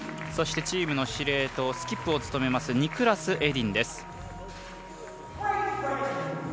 そしてチームの司令塔スキップを務めますニクラス・エディンです。